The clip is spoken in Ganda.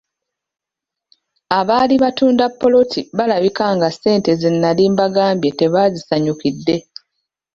Abaali batunda ppoloti baalabika nga ssente ze nali mbagambye tebazisanyukidde.